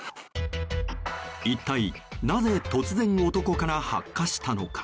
一体なぜ突然、男から発火したのか。